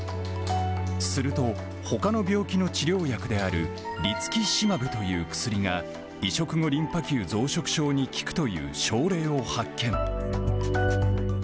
すると、ほかの病気の治療薬であるリツキシマブという薬が、移植後リンパ球増殖症に効くという症例を発見。